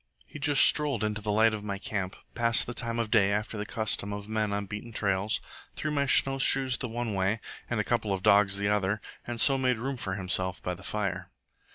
He just strolled into the light of my camp, passed the time of day after the custom of men on beaten trails, threw my snowshoes the one way and a couple of dogs the other, and so made room for himself by the fire.